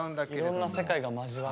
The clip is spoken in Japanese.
いろんな世界が交わる。